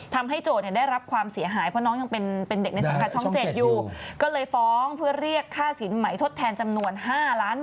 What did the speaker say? ทำให้โจทย์มาได้รับความเสียหายเพราะน้องยังเป็นเด็กในสังกัดช่องเจ็ด